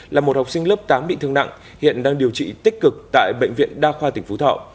là một học sinh lớp tám bị thương nặng hiện đang điều trị tích cực tại bệnh viện đa khoa tỉnh phú thọ